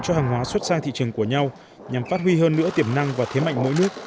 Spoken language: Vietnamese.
cho hàng hóa xuất sang thị trường của nhau nhằm phát huy hơn nữa tiềm năng và thế mạnh mỗi nước